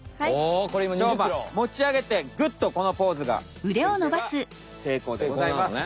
しょうま持ち上げてグッとこのポーズができれば成功でございます。